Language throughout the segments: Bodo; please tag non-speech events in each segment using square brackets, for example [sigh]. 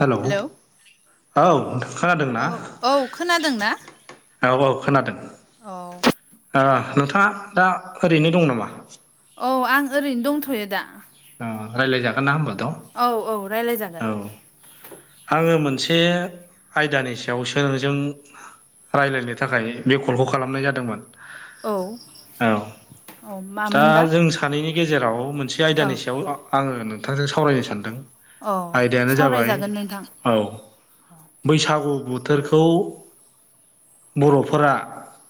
हेलौ औ खोनादों औ ना? औ खोनादों ना औ औ खोनादों। औ ओ नोंथाङा दा ओरैनो दं नामा? औ आं ओरैनो दंथ'यो दा। ओ रायलाय जागोन ना होमबाथ'? औ औ रायलाय जागोन। आङो मोनसे आयदानि सायावसो जों रायलायनो थाखाय बे कलखौ खालामनाय जादोंमोन। औ औ औ दा मामोनबा? जों सानैनि गेजेराव मोनसे औ आयदानि सायाव आङो नोंथांजों सावरायनो सानदों। औ आयदायानो जाबाय सावरायजागोन नोंथां औ बैसागु बोथोरखौ बर'फोरा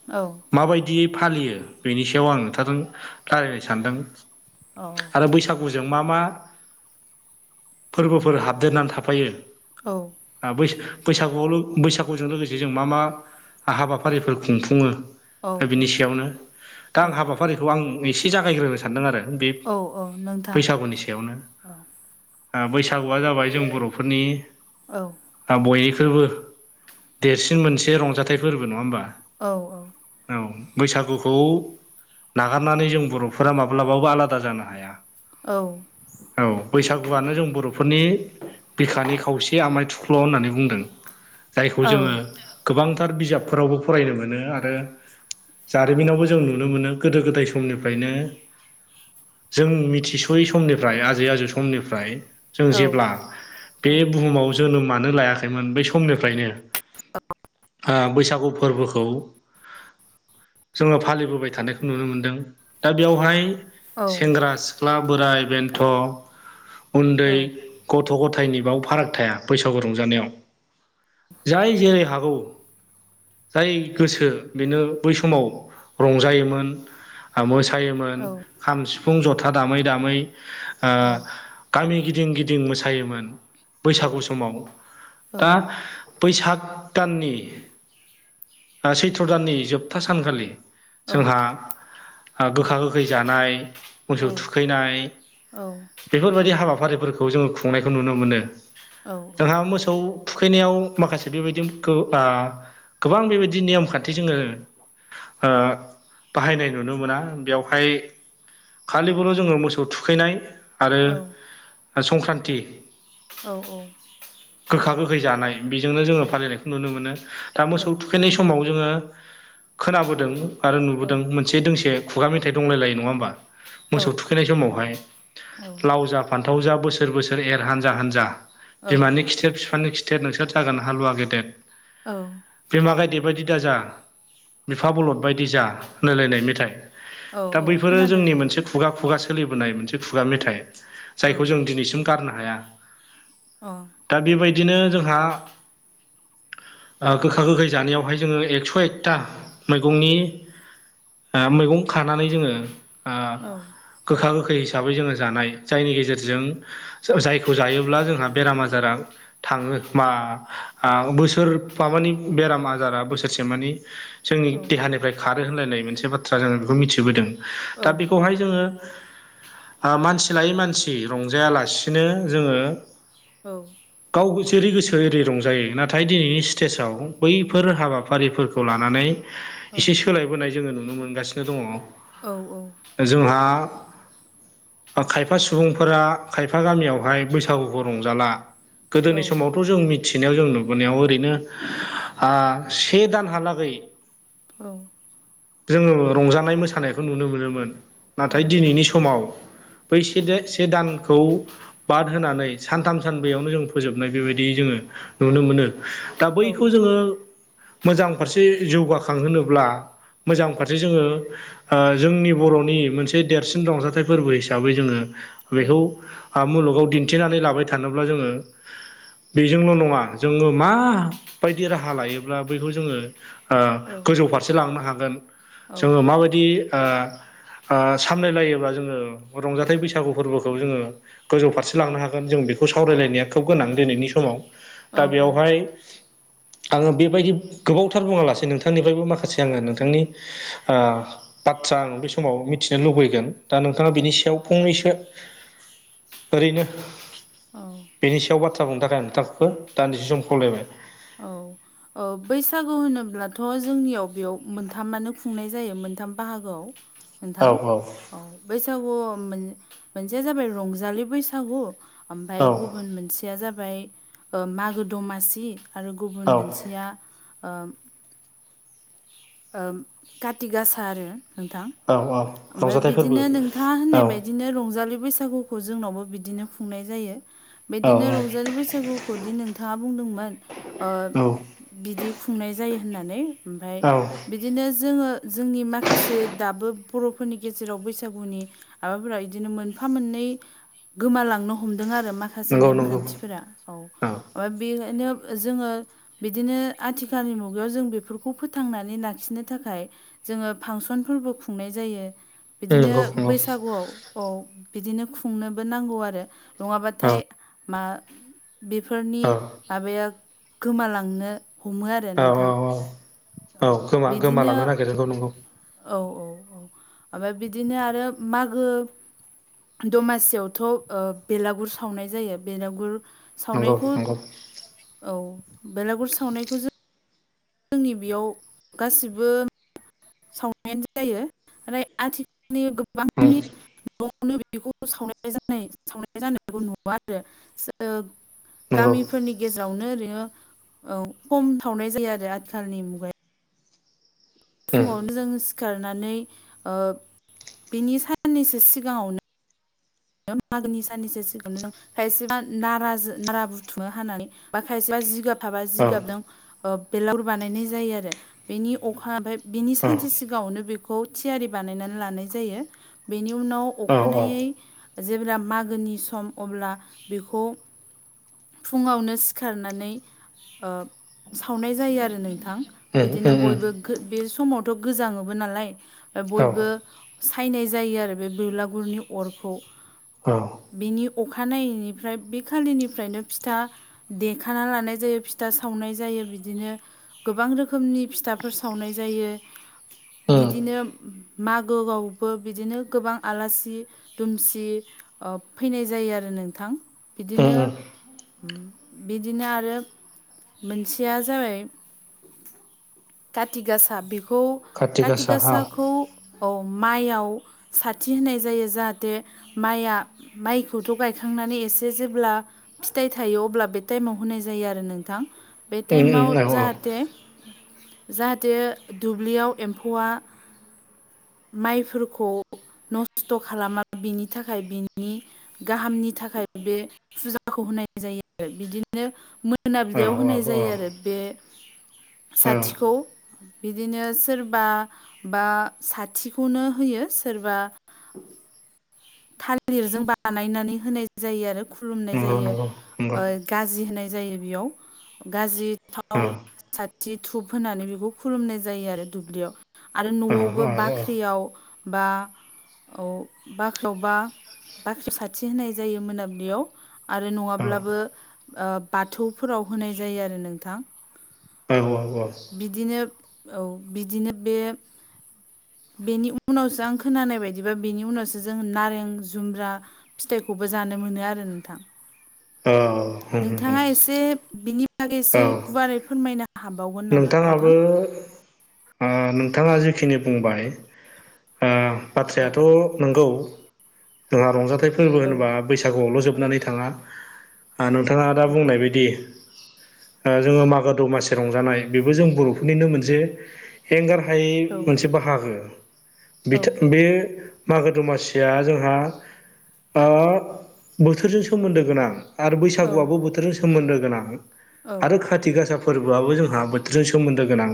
औ माबायदियै फालियो बेनि सायाव आं नोंथांजों रायलायनो सानदों। औ दा बैसागुजों मा मा फोरबोफोर हाबदेरनानै थाफायो। औ ओ बैसागु-बैसागुआव बैसागुजों लोगोसे जों मा मा हाबाफारिफोर खुंफुङो औ दा बिनि सायावनो दा औ आं हाबाफारि हाबाफारिखौ आं एसे जागायग्रोनो सानदों आरो बे औ औ नों बैसागुनि सायावनो ओ बैसागुआ जाबाय जों बर'फोरनि औ ओ बयनिख्रुइबो देरसिन मोनसे रंजाथाइ फोरबो नङा होमबा। औ औ औ बैसागुखौ नागारनानै जों बर'फोरा माब्लाबाबो आलादा जानो हाया। औ औ बैसागुआनो जों बर'फोरनि बिखानि खावसे आमाय थुख्ल' होननानै बुंदों जायखौ औ जोङो गोबांथार बिजाबफोरावबो फरायनो मोनो आरो जारिमिनावबो जों नुनो मोनो गोदो गोदाय समनिफ्रायनो जों मिथि सयै समनिफ्राय आजै आजौ समनिफ्राय जों जेब्ला बे बुहुमाव जोनोमानो लायाखैमोन बै समनिफ्रायनो औ ओ बैसागु फोरबोखौ जोङो फालिबोबाय थानायखौ नुनो मोनदों दा बेयावहाय सेंग्रा सिख्ला बोराय बेन्थ' उन्दै गथ' गथायनि बाव फाराग थाया बैसागु रंजानायाव जाय जेरै हागौ जाय गोसो बेनो बै समाव रंजायोमोन। मोसायोमोन खाम सिफुं जथा दामै दामै ओ गामि गिदिं गिदिं मोसायोमोन बैसागु समाव दा बैसाग दाननि सैथ्र' दाननि जोबथा सानखालि जोंहा गोखा गोखै जानाय मोसौ औ थुखैनाय बेफोरबायदि हाबाफारिफोरखौ जोङो खुंनायखौ नुनो मोनो। जोंहा मोसौ थुखैनायाव माखासे बेबायदि गोबां बेबायदि नेयम खान्थि जोङो ओ बाहायनाय नुनो मोना बेयावहाय खालिबोल' जोङो मोसौ थुखैनाय आरो संक्रान्ति औ औ गोखा गोखै जानाय बेजोंनो जोङो फालिनायखौ नुनो मोनो दा मोसौ थुखैनाय समाव जोङो खोनाबोदों आरो औ नुबोदों मोनसे दोंसे खुगा मेथाइ दंलायलायो नङा होमबा? औ मोसौ औ थुखैनाय समावहाय औ लाव जा फान्थाव जा बोसोर बोसोर एर हान्जा हानजा औ बिमानि खिथेर बिफानि खिथेर नोंसोर जागोन हालुवा गेदेर। औ बिमा गायदे बायदि दा जा बिफा बलद बायदि जा रायलायनाय मेथाइ औ दा औ बैफोरो खोनादों जोंनि मोनसे खुगा खुगा सोलिबोनाय मोनसे खुगा मेथाइ‌। औ जायखौ जों दिनैसिम गारनो हाया। अ दा बेबायदिनो जोंहा गोखा गोखै जानायावहाय जोङो एकस' एकथा मैगंनि मैगं खानानै जोङो ओ औ गोखा गोखै हिसाबै जोङो जानाय जायनि गेजेरजों जायखौ जायोब्ला जोंहा बेराम आजारा थाङो मा बोसोर माबानि बेराम आजारा बोसोरसे मानि जोंनि औ देहानिफ्राय खारो होनलायनाय मोनसे बाथ्रा जोङो बेखौ मिथिबोदों। औ दा बेखौहाय जोङो मानसि लायै मानसि रंजायालासिनो जोङो औ गाव गोसोरै गोसो एरै रंजायो नाथाय दिनैनि स्टेजाव बैफोर हाबाफारिफोरखौ लानानै औ एसे सोलायबोनाय जोङो नुनो मोनगासिनो दङ। औ औ जोंहा खायफा सुबुंफोरा खायफा गामियावहाय बैसागुखौ रंजाला गोदोन समाव खौ जों मिथिनायाव जों नुबोनायाव ओरैनो आ से दानहालागै औ जोंङो रंजानाय मोसानायखौ नुनो मोनोमोन नाथाय दिनैनि समाव बै सेदेद से दानखौ बाद होनानै सानथाम सानबैयावनो जों फोजोबनाय बेबायदि जोङो नुनो मोनो दा बैखौ जोङो मोजां फारसे जौगाखांहोब्ला मोजां फारसे जोङो ओ जोंनि बर'नि मोनसे देरसिन रंजाथाइ फोरबो हिसाबै जोङो बेखौ मुलुगाव दिन्थिनानै लाबाय थानोब्ला जोङो बेजोंल' नङा जोङो माबायदि राहा लायोब्ला बैखौ जोङो ओ गोजौ फारसे लांनो हागोन जोङो माबायदि‌ ओ ओ सामलायलायोब्ला जोङो रंजाथाइ बैसागु फोरबोखौ जोङो गोजौ फारसे लांनो हागोन जों बेखौ सावरायलायनाया खोब गोनां दिनैनि समाव औ दा बेवहाय आङो बेबायदि गोबावथार बुङा लासे नोंथांनिफ्रायबो माखासे आङो नोंथांनि आ बाथ्रा आङो बे समाव मिथिनो लुबैगोन दा नोंथाङा बिनि सायाव फंनैसो ओरैनो [inaudible] बेनि सायाव बाथ्रा बुंनो थाखाय आं नोंथांखौ दान्दिसे सम खावलायबाय। औ। औ। बैसागु होनोब्लाथ' जोंनियाव बेयाव मोनथामानो खुंनाय जायो मोनथाम बाहागोआव। नोंथां औ बैसागु मोनसेया जाबाय रंजालि बैसागु। औ ओमफ्राय गुबुन मोनसेया जाबाय ओ मागो दमासि आरो औ गुबुन मोनसे या ओ ओ कति गासा आरो नोंथां। औ औ ओमफ्राय रंजाथाइ फोरबो बिदिनो नोंथांङा औ होननाय बायदिनो रंजालि बैसागुखौ खौ जोंनावबो बिदिनो खुंनाय जायो। औ बिदिनो रंजालि बैसागु खौदि नोंथाङा बुंदोंमोन ओ औ बिदि खुंनाय जायो होननानै। ओमफाय औ बिदिनो जोंङो जोंनि माखासे दाबो बर'फोरनि गेजेराव बैसागुनि माबाफोरा बिदिनो मोनफा मोननै गोमालांनो हमदों आरो माखासे नंगौ नंगौ नेमखान्थिफोरा औ। ओफ्राय बेखायनो जोंङो बिदिनो आथिखालनि मुगायाव जों बेफोरखौ फोथांनानै ला लाखिनो थाखाय जोंङो फांसनफोरबो खुंनाय जायो। बिदिनो नंगौ नंगौ बैसागुआव औ बिदिनो खुंनोबो नांगौ आरो औ नंङाबाथाय मा बेफोरनि औ माबाया गोमालांनो हमो आरो औ नोंथां औ। गोमालांनो नागिरो नंगौ। औ औ औ। ओमफ्राय बिदिनो आरो मागो दमासियावथ' बेलागुर सावनाय जायो। बेलागुर नंगौ सावनायखौ नंगौ औ बेलागुर सावनायखौ जों जोंनि बेयाव गासिबो सावनायानो जायो आथिखालनि नंगौ गोबांनि [unintelligible] नंगौ गामिफोरनि गेजेरावनो ओरैनो खम थावनाय जायो आरो। आथिखालनि मुगायाव फुङावनो जों सिखारनानै बिनि साननैसो सिगाङावनो मागोनि साननैसो सिगाङावनो जों खायसेबा नारा नारा बुथुमङो हानानै, बा खायसेबा जिगाब थाबा औ जिगाबजों बेलागुर बानायनाय जायो आरो। बेनि अखा ओमफ्राय बिनि सानसे सिगाङावनो बेखौ थियारि बानायनानै लानाय जायो। बेनि उनाव औ अखानायै जेब्ला मागोनि सम अब्ला बेखौ फुङावनो सिखारनानै सावनाय जायो आरो नोंथा। बिदिनो बयबो बे समावथ' गोजाङोबो नालाय। बयबो सायनाय जायो आरो बे बुरलागुरनि अरखौ। औ। बिनि अखानायैनिफ्राय बे खालिनिफ्रायनो फिथा देखा लानाय जायो, फिथा सावनाय जायो। बिदिनो गोबां रोखोमनि फिथाफोर सावनाय जायो। बिदिनो मागोआवबो बिदिनो गोबां आलासि दुमसि फैनाय जायो आरो नोंथां। बिदिनो औ बिदिनो आरो मोनसेया जाबाय कति गासा बेखौ खाथि कति गासा औ गासाखौ औ माइयाव साथि होनाय जायो। जाहाथे माइया माइखौथ' गायखांनानै एसे जेब्ला फिथाइ थायो अब्ला बे टाइमाव होनाय जायो आरो नोंथां। बे औ टाइमाव औ औ जाहाथे जाहाथे दुब्लियाव एम्फौआ माइफोरखौ नस्थ' खालामा बिनि थाखाय बिनि गाहामनि थाखाय बे फुजाखौ होनाय जायो आरो बिदिनो मो मोनाबिलियाव औ होनाय औ जायो आरो औ बे साथिखौ बिदिनो सोरबा बा साथिखौनो होयो सोरबा। थालिरजों बानायनानै होनाय जायो आरो खुलुमनाय नंगौ जायो। नंगौ नंगौ गाज्रि होनाय जायो बेयाव। गाज्रि औ थाव साथि धुप होनानै बेखौ खुलुमनाय जायो आरो दुब्लियाव। आरो नआवबो औ औ बाख्रियाव बा बाख्रियावबा बाख्रि साथि होनाय जायो मोनाबिलियाव आरो औ औ नङाब्लाबो। बाथौफोराव होनाय जायो आरो नोंथां। औ बिदिनो औ बिदिनो बे बेनि उनावसो आं खोनानाय बायदिबा बेनि उनावसो जों नारें जुम्ब्रा। फिथाइखौबो जानो मोनो आरो नोंथां। औ होम होम होम नोंथाङा एसे बिनि औ बागैसो गुवारै फोरमायना नोंथाङाबो ओ-नोंथाङा जिखिनि बुंबाय ओ-बाथ्रायाथ औ नोंगौ। जोंहा रंजाथाइ फोरबो होनोबा औ बैसागुआवल जोबनानै थाङा। नोंथाङा दा औ बुंनाय बायदि जोङो मागो दमासि दङ रं जानाय बेबो जों बरफोरनिनो मोनसे। एंगार हायै औ मोनसे बाहागो बेथ औ बे मागो दमासिया जोंहा ओ-बोथोरजों सोमोन्दो गोनां। आरो औ बैसागुआबो बोथोरजों सोमोन्दो गोनां औ आरो खाथि गासा फोरबोआबो जों जोंहा बोथोरजों सोमोन्दो गोनां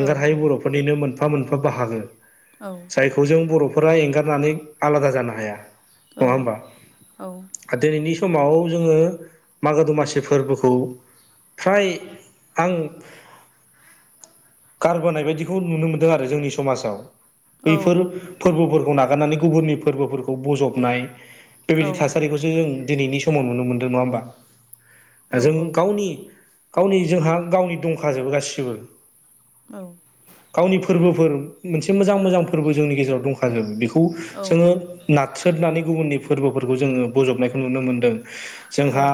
औ हायै बरफोरनिनो मोनफा मोनफा बाहागो। औ जायखौ जों बरफोरा एंगारनानै आलादा जानो हाया नङा होमबा। औ दिनैनि समाव जोङो मागो दमासि फोरबोखौ। फ्राय आं। गारबोनाय बायदिखौ नुनो मोन्दों। आरो जोंनि समाजाव बैफोर। औ फोरबोफोरखौ नागारनानै गुबुननि फोरबोफोरखौ बजबनाय बेबायदि थासारिखौ जों दिनैनि समाव नुनो मोनदों नङा होमबा? जों गावनि। गावनि जोंहा गावनि दंखाजोबो गाससिबो। औ गावनि फोरबोफोर मोनसे मोजां - मोजां फोरबो जोंनि गेजेराव दंखाजोबो बेखौ जोङो। नारथ्रोदनानै गुबुननि फोरबोफोरखौ जोङो बजबनायखौ नुनो मोन्दों। जोंहा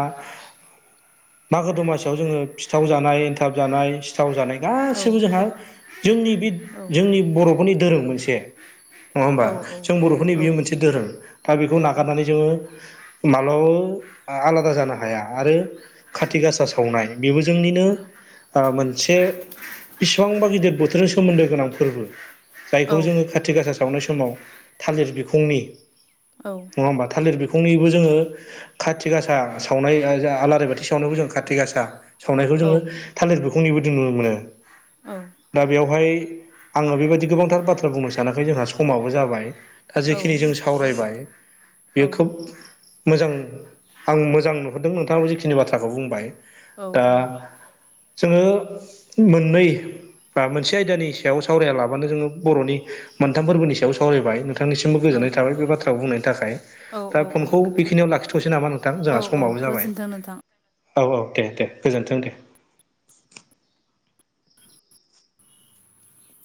मागो दमासियाव जोङो फिथाव जानाय एन्थाब जानाय सिथाव जानाय गासिबो जोंहा। जोंनि बे जोंनि बरफोरनि धोरोम मोनसे। नङा होमबा जों बरफोरनि बियो मोनसे धोरोम दा बेखौ नागारनानै जोङो। माबलाबाबो आलादा जानो हाया आरो खाति गासा सावनाय। बेबो जोंनिनो। ओ मोनसे बिसेबांबा गिदिर बोथोरजों सोमोन्दो गोनां फोरबो। जायखौ जोङो खाथ खाथि गासा सावनाय समाव थालिर बिखुंनि। औ नङा होमबा थालिर बिखंनिबो जोङो। खाथि गासा सावनाय आलारि बाथि सावनायखौ जों खाथि गासा सावनायखौ जोङो। थालिर बिखुंनिबो जों नुनो मोनो दा बेयावहाय। आङो बेबायदि गोबांथार बाथ्रा बुंनो सानाखै जोंहा समावो जाबाय। दा जिखिनि जों सावरायबाय बेयो खोब मोजां। आं मोजां नुहुरदों नोंथाङाब जिखिनि बाथ्राखौ बुंबाय। औ दा औ जोङो मोननै बा मोनसे आयदानि सायाव सावराया लाबानो जोङो बर'नि मोनथाम फोरबोनि सायाव सावरायबाय नोंथांनिसिमबो औ गोजोननाय थाबाय बे बाथ्राखौ बुंनायनि थाखाय औ दा औ औ फनखौ नोंथां बेखिनियाव लाखिथ'सै नामा नोंथां औ जोंहा स औ खमाबो जाबाय गोजोन्थों नोंथां औ औ दे दे गोजोनथों दे